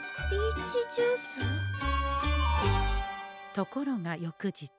ところが翌日。